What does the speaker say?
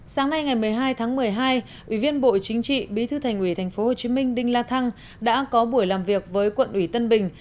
sáng nay ngày một mươi hai tháng một mươi hai ủy viên bộ chính trị bí thư thành ủy tp hcm đinh la thăng đã có buổi làm việc với quận ủy tân bình